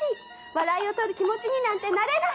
笑いを取る気持ちになんてなれない！」。